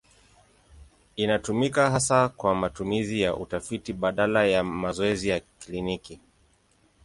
Inatumika hasa kwa matumizi ya utafiti badala ya mazoezi ya kliniki.